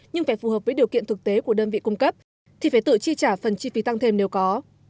nhưng phải phù hợp với điều kiện thực tế của đơn vị cung cấp thì phải tự chi trả phần chi phí tăng thêm nếu có